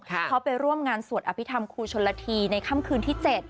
เขาไปร่วมงานสวดอภิษฐรรมครูชนละทีในค่ำคืนที่๗